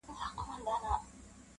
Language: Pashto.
خو بڼه يې بدله سوې ده,